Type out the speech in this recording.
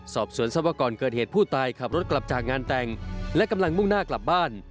สอบสวนทรัพย์ก่อนเกิดเหตุผู้ตายขับรถกลับจากงานแต่งและกำลังมุ่งหน้ากลับบ้าน